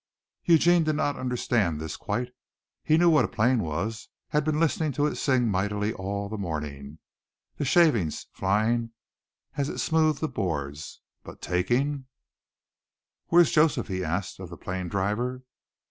Eugene did not understand this quite. He knew what a plane was, had been listening to it sing mightily all the morning, the shavings flying as it smoothed the boards, but taking? "Where's Joseph?" he asked of the plane driver.